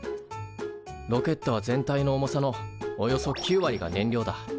ロケットは全体の重さのおよそ９割が燃料だ。